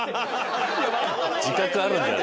自覚はあるんだ。